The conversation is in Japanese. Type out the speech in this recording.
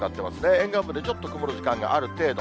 沿岸部でちょっと曇る時間がある程度。